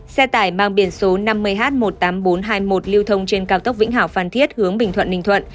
xe tải mang biển số năm mươi h một mươi tám nghìn bốn trăm hai mươi một lưu thông trên cao tốc vĩnh hảo phan thiết hướng bình thuận ninh thuận